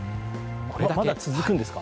まだ続くんですか？